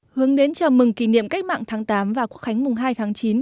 hướng đến chào mừng kỷ niệm cách mạng tháng tám và quốc khánh mùng hai tháng chín